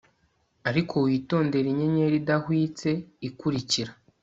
Ariko witondere inyenyeri idahwitse ikurikira